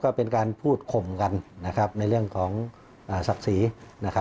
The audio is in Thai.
ก็เป็นการพูดข่มกันในเรื่องของศักดิ์ฟรีสี่